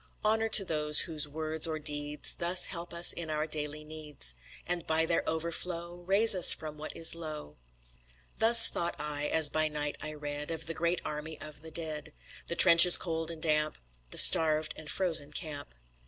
Honour to those whose words or deeds Thus help us in our daily needs, And by their overflow Raise us from what is low! Thus thought I, as by night I read Of the great army of the dead, The trenches cold and damp, The starved and frozen camp.